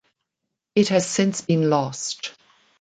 It has since been lost.